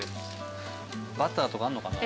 バターとかあんのかな？